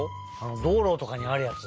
どうろとかにあるやつ。